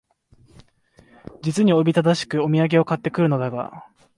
実におびただしくお土産を買って来るのが、